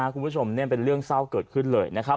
คุณผู้ชมนี่เป็นเรื่องเศร้าเกิดขึ้นเลยนะครับ